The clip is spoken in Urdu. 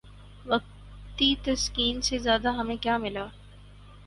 وقتی تسکین سے زیادہ ہمیں کیا ملا؟